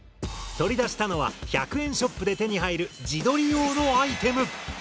取り出したのは１００円ショップで手に入る自撮り用のアイテム。